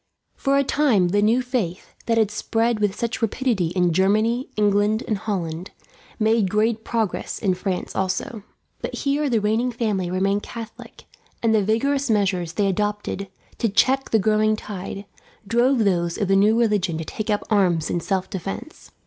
For a time the new faith, that had spread with such rapidity in Germany, England, and Holland, made great progress in France, also. But here the reigning family remained Catholic, and the vigorous measures they adopted, to check the growing tide, drove those of the new religion to take up arms in self defence.